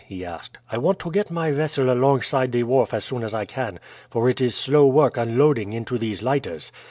he asked. "I want to get my vessel alongside the wharf as soon as I can, for it is slow work unloading into these lighters.